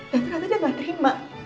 dan ternyata dia gak terima